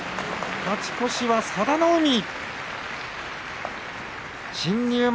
勝ち越しは佐田の海でした。